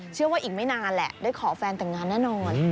เชื่อว่าอีกไม่นานแหละได้ขอแฟนแต่งงานแน่นอน